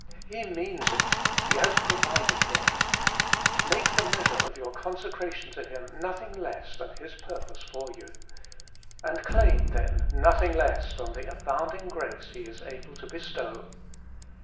He rQeans it! He has provided for it! Make the~ measure of your consecration to Him nothing less than His purpose for you. And claim, then, nothing less than the abounding grace He is able to bestow.